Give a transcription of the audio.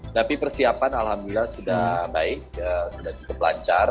tapi persiapan alhamdulillah sudah baik sudah cukup lancar